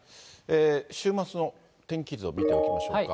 週末の天気図を見ておきましょうか。